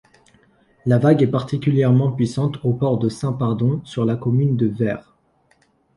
La vague est particulièrement puissante au port de Saint-Pardon sur la commune de Vayres.